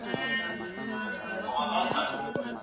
کومي نښې د نه رغېدلو رواني دردونو ښکارندویي کوي؟